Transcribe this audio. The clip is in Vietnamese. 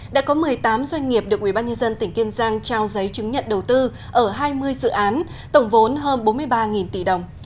đã có một mươi tám doanh nghiệp được ubnd tỉnh kiên giang trao giấy chứng nhận đầu tư ở hai mươi dự án tổng vốn hơn bốn mươi ba tỷ đồng